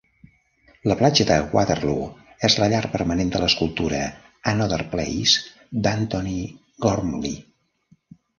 La platja de Waterloo és la llar permanent de l'escultura "Another Place" d'Antony Gormley.